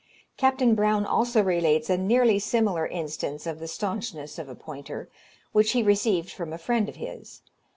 Captain Brown also relates a nearly similar instance of the stanchness of a pointer, which he received from a friend of his.